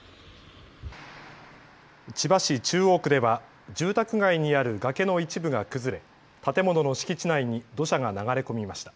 千葉市中央区では住宅街にある崖の一部が崩れ、建物の敷地内に土砂が流れ込みました。